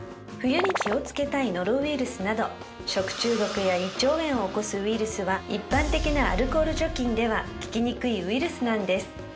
冬に気をつけたいノロウイルスなど食中毒や胃腸炎を起こすウイルスは一般的なアルコール除菌では効きにくいウイルスなんです